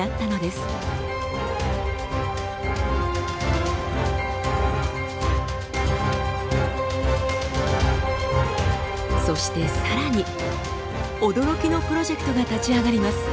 そしてさらに驚きのプロジェクトが立ち上がります。